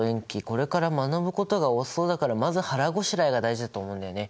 これから学ぶことが多そうだからまず腹ごしらえが大事だと思うんだよね。